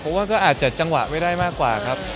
เพราะว่าก็อาจจะจังหวะไม่ได้มากกว่าครับ